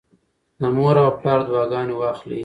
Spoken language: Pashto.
د مور او پلار دعاګانې واخلئ.